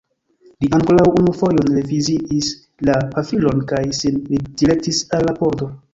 Li ankoraŭ unu fojon reviziis la pafilon kaj sin direktis al la pordo.